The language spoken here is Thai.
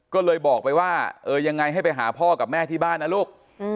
ก็เลยบอกไปว่าเออยังไงให้ไปหาพ่อกับแม่ที่บ้านนะลูก